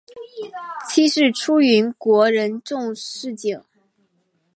妻是出云国人众井氏。